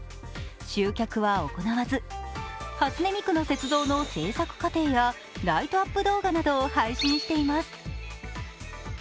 集客は行わず、初音ミクの雪像の制作過程やライトアップ動画などを配信しています。